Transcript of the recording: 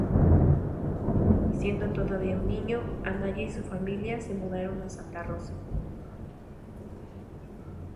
Siendo todavía un niño, Anaya y su familia se mudaron a Santa Rosa.